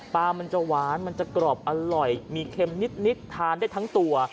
มันจะหวานมันจะกรอบอร่อยมีเค็มนิดทานได้ทั้งตัว